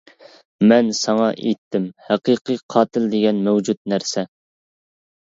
» «مەن ساڭا ئېيتتىم، ھەقىقىي قاتىل دېگەن مەۋجۇت نەرسە.